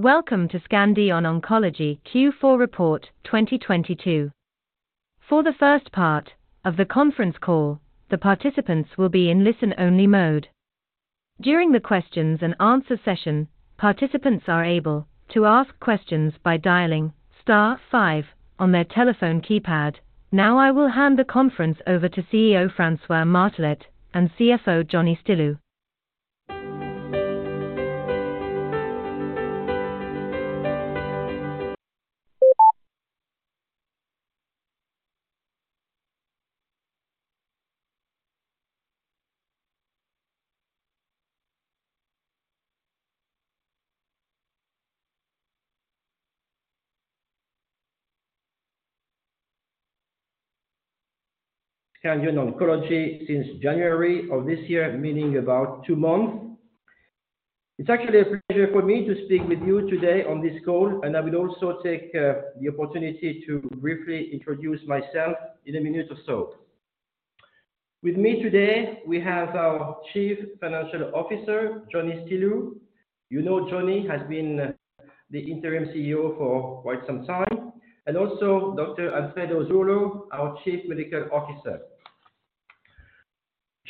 Welcome to Scandion Oncology Q4 report 2022. For the first part of the conference call, the participants will be in listen-only mode. During the questions and answer session, participants are able to ask questions by dialing star 5 on their telephone keypad. Now I will hand the conference over to CEO Francois Martelet and CFO Johnny Stilou. Scandion Oncology since January of this year, meaning about two months. It's actually a pleasure for me to speak with you today on this call, and I will also take the opportunity to briefly introduce myself in a minute or so. With me today, we have our Chief Financial Officer, Johnny Stilou. You know Johnny has been the interim CEO for quite some time. Also Dr. Alfredo Zurlo, our Chief Medical Officer.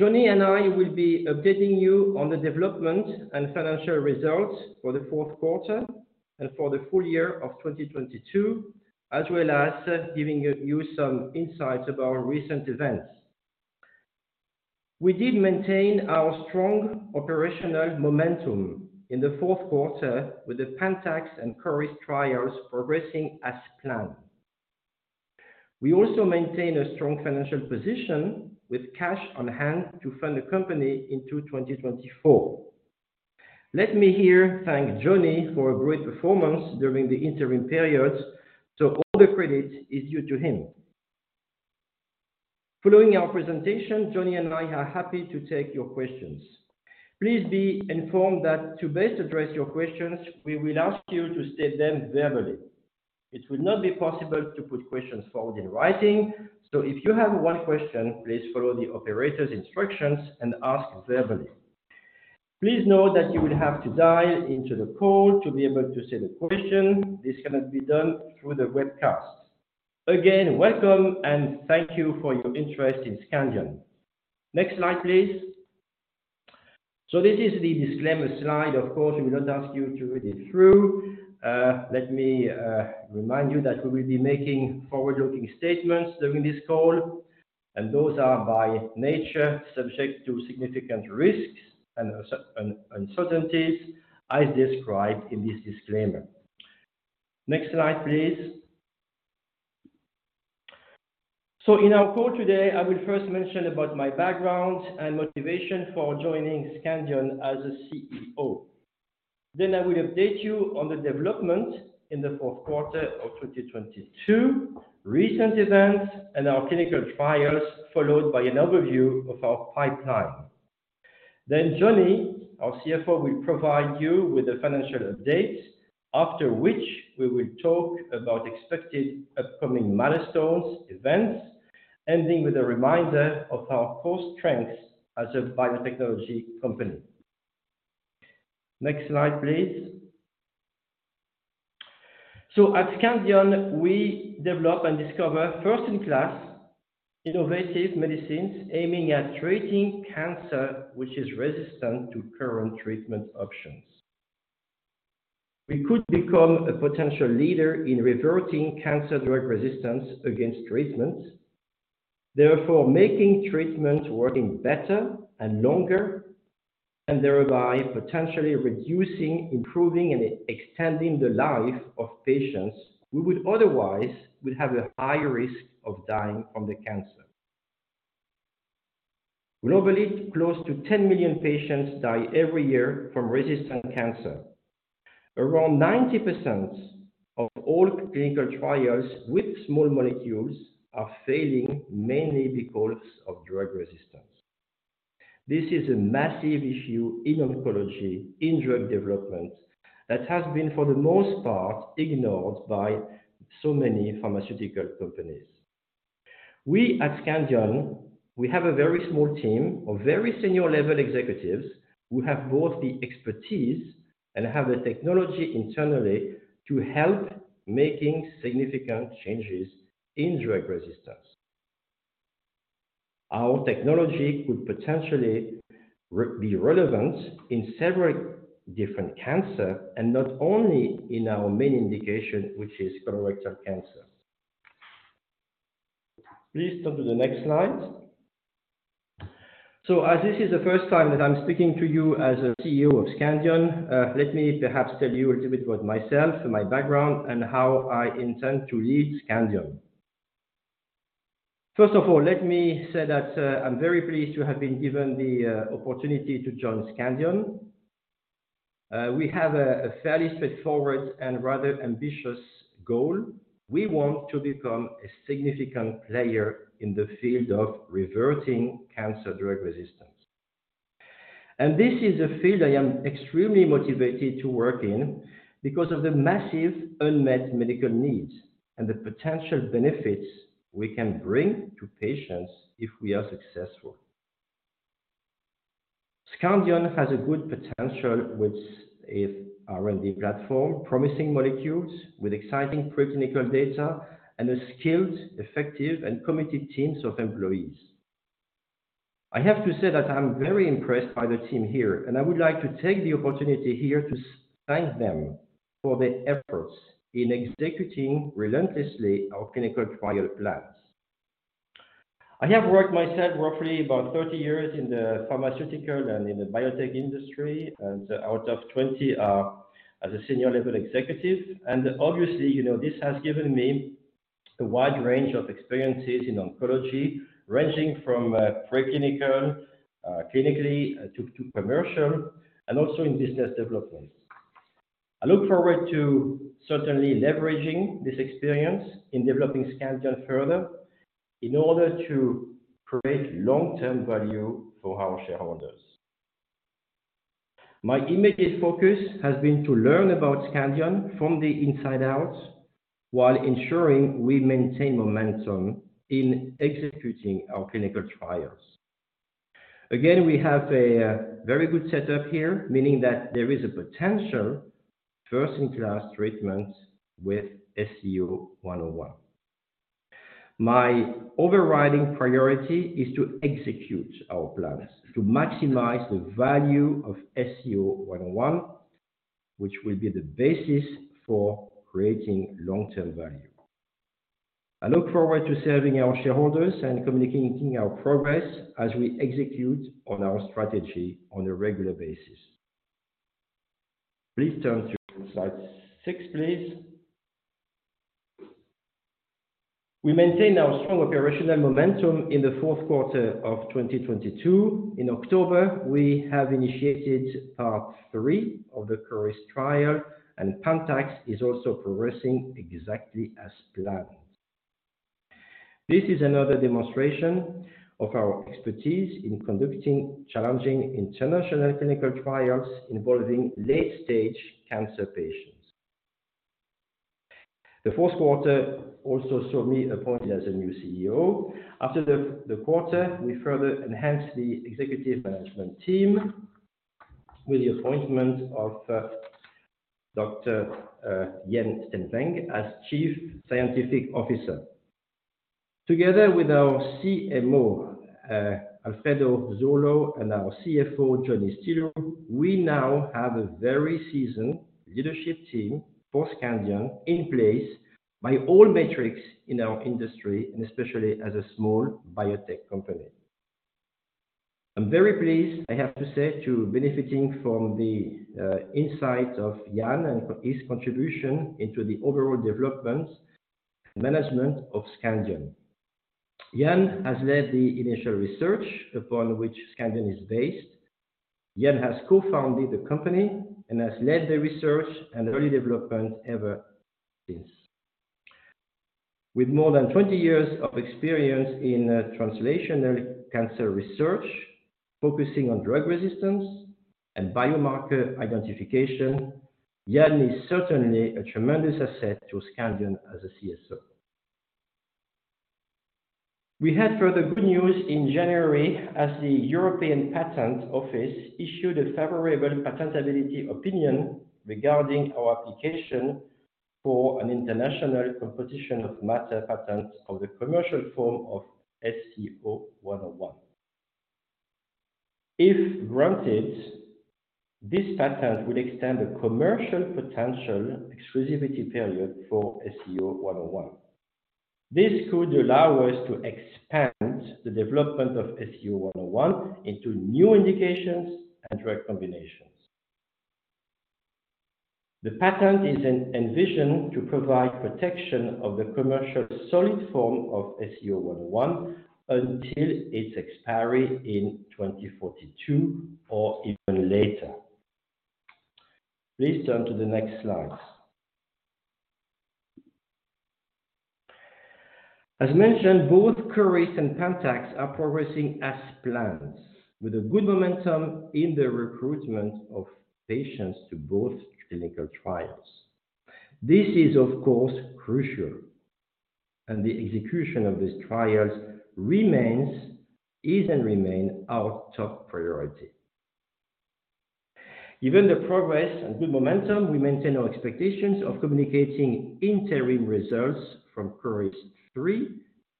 Johnny and I will be updating you on the development and financial results for the fourth quarter and for the full year of 2022, as well as giving you some insights about recent events. We did maintain our strong operational momentum in the fourth quarter with the PANTAX and CORIST trials progressing as planned. We also maintain a strong financial position with cash on hand to fund the company into 2024. Let me here thank Johnny for a great performance during the interim period. All the credit is due to him. Following our presentation, Johnny and I are happy to take your questions. Please be informed that to best address your questions, we will ask you to state them verbally. It will not be possible to put questions forward in writing. If you have one question, please follow the operator's instructions and ask verbally. Please know that you will have to dial into the call to be able to say the question. This cannot be done through the webcast. Welcome and thank you for your interest in Scandion. Next slide, please. This is the disclaimer slide. Of course, we will not ask you to read it through. Let me remind you that we will be making forward-looking statements during this call, and those are by nature subject to significant risks and uncertainties I described in this disclaimer. Next Slide, please. In our call today, I will first mention about my background and motivation for joining Scandion as a CEO. I will update you on the development in the fourth quarter of 2022, recent events and our clinical trials, followed by an overview of our pipeline. Johnny, our CFO, will provide you with the financial updates, after which we will talk about expected upcoming milestones, events, ending with a reminder of our core strengths as a biotechnology company. Next slide, please. At Scandion, we develop and discover first-in-class innovative medicines aiming at treating cancer which is resistant to current treatment options. We could become a potential leader in reverting cancer drug resistance against treatment, therefore making treatment working better and longer, and thereby potentially reducing, improving, and extending the life of patients who would otherwise would have a high risk of dying from the cancer. Globally, close to 10 million patients die every year from resistant cancer. Around 90% of all clinical trials with small molecules are failing mainly because of drug resistance. This is a massive issue in oncology, in drug development, that has been for the most part ignored by so many pharmaceutical companies. We at Scandion, we have a very small team of very senior level executives who have both the expertise and have the technology internally to help making significant changes in drug resistance. Our technology could potentially be relevant in several different cancer and not only in our main indication, which is colorectal cancer. Please turn to the next slide. As this is the first time that I'm speaking to you as a CEO of Scandion, let me perhaps tell you a little bit about myself, my background, and how I intend to lead Scandion. First of all, let me say that I'm very pleased to have been given the opportunity to join Scandion. We have a fairly straightforward and rather ambitious goal. We want to become a significant player in the field of reverting cancer drug resistance. This is a field I am extremely motivated to work in because of the massive unmet medical needs and the potential benefits we can bring to patients if we are successful. Scandion has a good potential with its R&D platform, promising molecules with exciting preclinical data and a skilled, effective, and committed teams of employees. I have to say that I'm very impressed by the team here. I would like to take the opportunity here to thank them for their efforts in executing relentlessly our clinical trial plans. I have worked myself roughly about 30 years in the pharmaceutical and in the biotech industry. Out of 20 are as a senior level executive. Obviously, you know, this has given me a wide range of experiences in oncology, ranging from preclinical, clinically to commercial and also in business development. I look forward to certainly leveraging this experience in developing Scandion further in order to create long-term value for our shareholders. My immediate focus has been to learn about Scandion from the inside out while ensuring we maintain momentum in executing our clinical trials. We have a very good setup here, meaning that there is a potential first-in-class treatment with SCO-101. My overriding priority is to execute our plans to maximize the value of SCO-101, which will be the basis for creating long-term value. I look forward to serving our shareholders and communicating our progress as we execute on our strategy on a regular basis. Please turn to Slide 6, please. We maintained our strong operational momentum in the fourth quarter of 2022. In October, we have initiated part 3 of the CORIST trial, and PANTAX is also progressing exactly as planned. This is another demonstration of our expertise in conducting challenging international clinical trials involving late stage cancer patients. The fourth quarter also saw me appointed as a new CEO. After the quarter, we further enhanced the executive management team with the appointment of Dr. Jan Stenvang as Chief Scientific Officer. Together with our CMO, Alfredo Zurlo, and our CFO, Johnny Stilou, we now have a very seasoned leadership team for Scandion Oncology in place by all metrics in our industry, and especially as a small biotech company. I'm very pleased, I have to say, to benefiting from the insight of Jan and his contribution into the overall development and management of Scandion Oncology. Jan has led the initial research upon which Scandion Oncology is based. Jan has co-founded the company and has led the research and early development ever since. With more than 20 years of experience in translational cancer research, focusing on drug resistance and biomarker identification, Jan is certainly a tremendous asset to Scandion Oncology as a CSO. We had further good news in January as the European Patent Office issued a favorable patentability opinion regarding our application for an international composition of matter patent of the commercial form of SCO-101. If granted, this patent would extend the commercial potential exclusivity period for SCO-101. This could allow us to expand the development of SCO-101 into new indications and drug combinations. The patent is envisioned to provide protection of the commercial solid form of SCO-101 until its expiry in 2042 or even later. Please turn to the next slide. As mentioned, both CORIST and PANTAX are progressing as planned with a good momentum in the recruitment of patients to both clinical trials. This is, of course, crucial, is and remain our top priority. Given the progress and good momentum, we maintain our expectations of communicating interim results from CORIST 3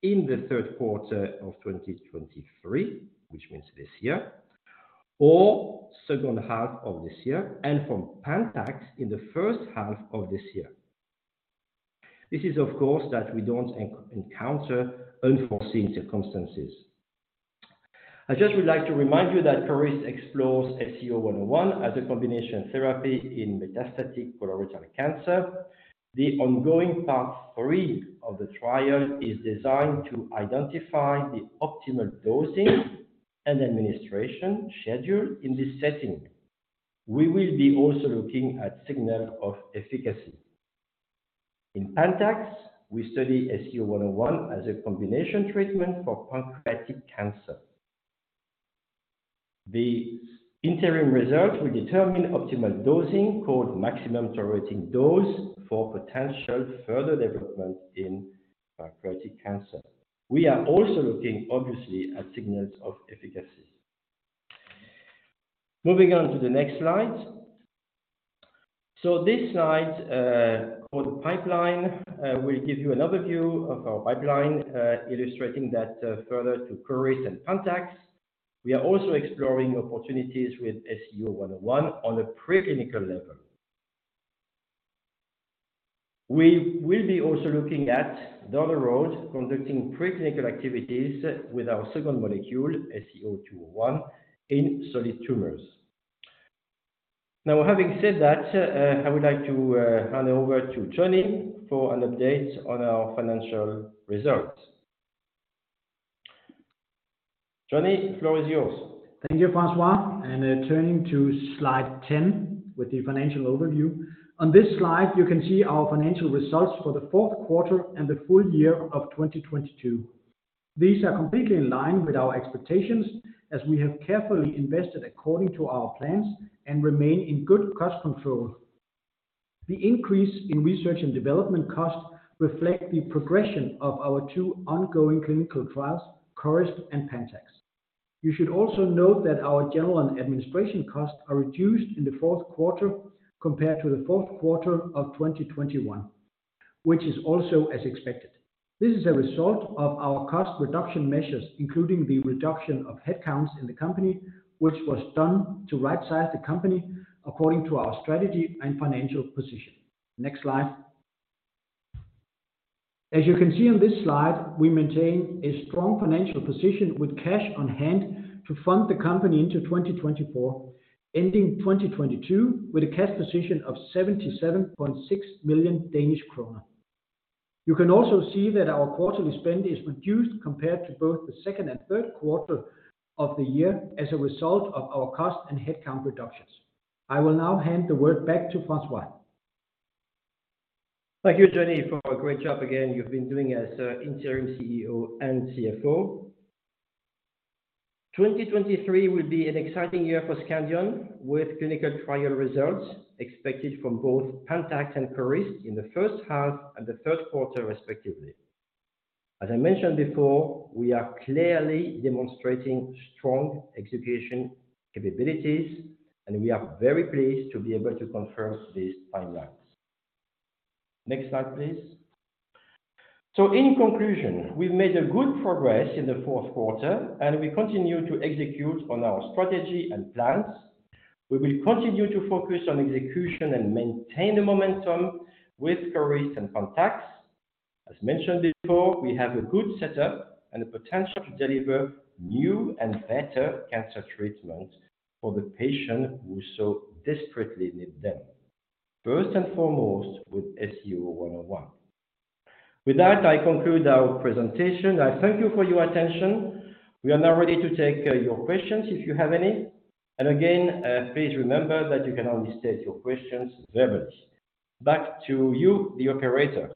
in the third quarter of 2023, which means this year, or second half of this year, and from PANTAX in the 1st half of this year. This is, of course, that we don't encounter unforeseen circumstances. I just would like to remind you that CORIST explores SCO-101 as a combination therapy in metastatic colorectal cancer. The ongoing part 3 of the trial is designed to identify the optimal dosing and administration schedule in this setting. We will be also looking at signal of efficacy. In PANTAX, we study SCO-101 as a combination treatment for pancreatic cancer. The interim results will determine optimal dosing called maximum tolerated dose for potential further development in pancreatic cancer. We are also looking obviously at signals of efficacy. Moving on to the next slide. This slide, called pipeline, will give you another view of our pipeline, illustrating that further to CORIST and PANTAX. We are also exploring opportunities with SCO-101 on a preclinical level. We will be also looking at down the road, conducting preclinical activities with our second molecule, SCO-201, in solid tumors. Having said that, I would like to hand over to Johnny for an update on our financial results. Johnny, the floor is yours. Thank you, Francois. Turning to Slide 10 with the financial overview. On this slide, you can see our financial results for the fourth quarter and the full year of 2022. These are completely in line with our expectations as we have carefully invested according to our plans and remain in good cost control. The increase in research and development costs reflect the progression of our two ongoing clinical trials, CORIST and PANTAX. You should also note that our general and administration costs are reduced in the fourth quarter compared to the fourth quarter of 2021, which is also as expected. This is a result of our cost reduction measures, including the reduction of headcounts in the company, which was done to right-size the company according to our strategy and financial position. Next Slide. As you can see on this slide, we maintain a strong financial position with cash on hand to fund the company into 2024, ending 2022 with a cash position of 77.6 million Danish kroner. You can also see that our quarterly spend is reduced compared to both the second and third quarter of the year as a result of our cost and headcount reductions. I will now hand the word back to François. Thank you, Johnny, for a great job again you've been doing as interim CEO and CFO. 2023 will be an exciting year for Scandion, with clinical trial results expected from both PanTAX and CORIST in the first half and the first quarter, respectively. As I mentioned before, we are clearly demonstrating strong execution capabilities, and we are very pleased to be able to confirm these timelines. Next slide, please. In conclusion, we've made good progress in the fourth quarter, and we continue to execute on our strategy and plans. We will continue to focus on execution and maintain the momentum with CORIST and PanTAX. As mentioned before, we have a good setup and the potential to deliver new and better cancer treatments for the patients who so desperately need them, first and foremost with SCO-101. With that, I conclude our presentation. I thank you for your attention. We are now ready to take your questions if you have any. Again, please remember that you can only state your questions verbally. Back to you, the operator.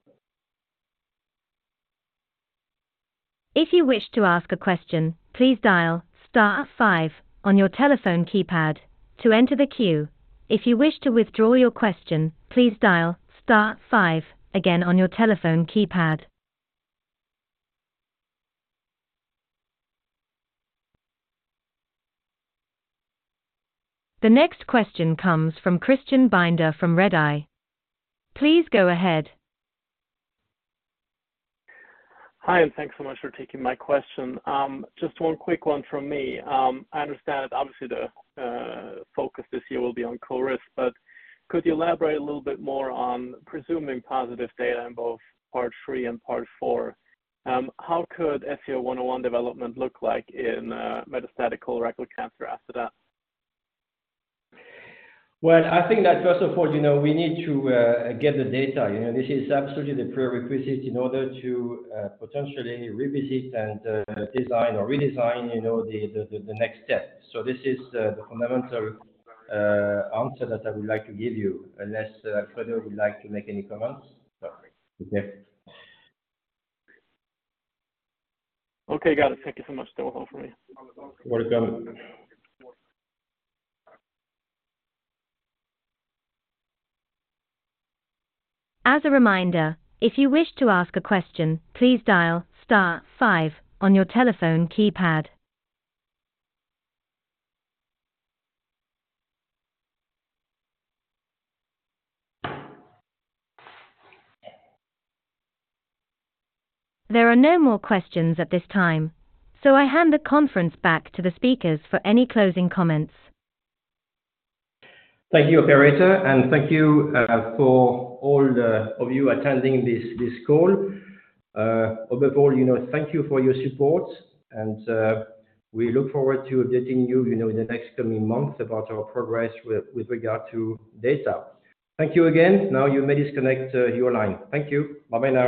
If you wish to ask a question, please dial star five on your telephone keypad to enter the queue. If you wish to withdraw your question, please dial star five again on your telephone keypad. The next question comes from Christian Binder from Redeye. Please go ahead. Hi, thanks so much for taking my question. Just one quick one from me. I understand obviously the focus this year will be on CORIST, but could you elaborate a little bit more on presuming positive data in both part three and part four, how could SCO-101 development look like in metastatic colorectal cancer after that? Well, I think that first of all, you know, we need to get the data. You know, this is absolutely the prerequisite in order to potentially revisit and design or redesign, you know, the, the next step. This is the fundamental answer that I would like to give you unless Frederik would like to make any comments. No. Okay. Okay, got it. Thank you so much. That was all for me. You're welcome. As a reminder, if you wish to ask a question, please dial star five on your telephone keypad. There are no more questions at this time, I hand the conference back to the speakers for any closing comments. Thank you, operator. Thank you for all of you attending this call. Overall, you know, thank you for your support and we look forward to updating you know, in the next coming months about our progress with regard to data. Thank you again. Now you may disconnect your line. Thank you. Bye-bye now.